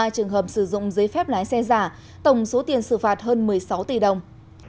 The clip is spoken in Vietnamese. ba trường hợp sử dụng giấy phép lái xe giả tổng số tiền xử phạt hơn một mươi sáu tỷ đồng